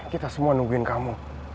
kita semua nungguin kamu